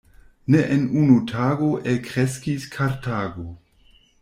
Ne en unu tago elkreskis Kartago.